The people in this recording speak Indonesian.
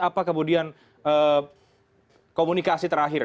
apa kemudian komunikasi terakhir